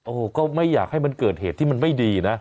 โอ้โหก็ไม่อยากให้มันเกิดเหตุที่มันไม่ดีนะ